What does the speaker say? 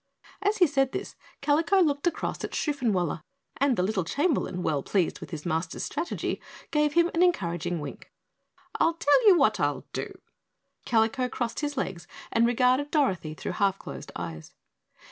As he said this, Kalico looked across at Shoofenwaller, and the little Chamberlain, well pleased with his master's strategy, gave him an encouraging wink. "I tell you what I'll do," Kalico crossed his legs and regarded Dorothy through half closed eyes.